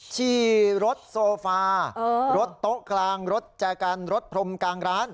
ขี่รถโซฟารถโต๊ะกลางรถแจกันรถพรมกลางร้าน